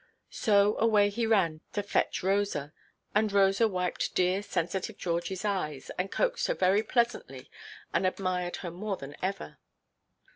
So away he ran to fetch Rosa, and Rosa wiped dear, sensitive Georgieʼs eyes, and coaxed her very pleasantly, and admired her more than ever.